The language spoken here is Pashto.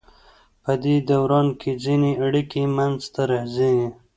پدې دوران کې ځینې اړیکې منځ ته راځي.